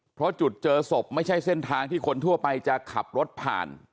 เพราะจุดเจอศพไม่ใช่เส้นทางที่คนทั่วไปจะขับรถผ่าน